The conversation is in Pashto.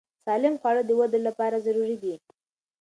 سالم خواړه د وده لپاره ضروري دي.